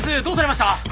どうされました？